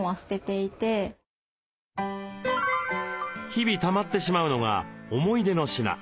日々たまってしまうのが思い出の品。